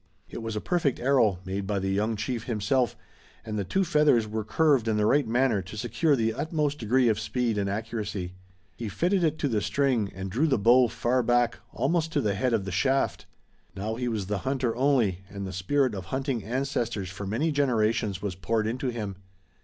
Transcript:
It was a perfect arrow, made by the young chief himself, and the two feathers were curved in the right manner to secure the utmost degree of speed and accuracy. He fitted it to the string and drew the bow far back, almost to the head of the shaft. Now he was the hunter only and the spirit of hunting ancestors for many generations was poured into him.